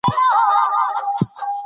پښتو د زویانو لپاره ښه تعلیم دی.